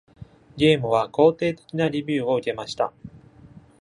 ゲームは肯定的なレビューを受けました。